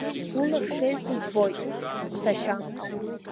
Улахь шеиқәу збоит, сашьа.